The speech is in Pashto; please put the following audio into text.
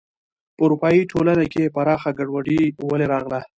په اروپايي ټولنې کې پراخه ګډوډي ولې راغله.